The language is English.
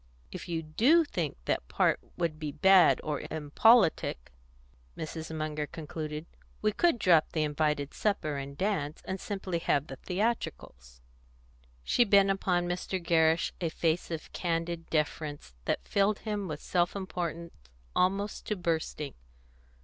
"If you do think that part would be bad or impolitic," Mrs. Munger concluded, "we could drop the invited supper and the dance, and simply have the theatricals." She bent upon Mr. Gerrish a face of candid deference that filled him with self importance almost to bursting.